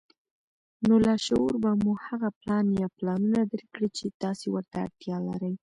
نو لاشعور به مو هغه پلان يا پلانونه درکړي چې تاسې ورته اړتيا لرئ.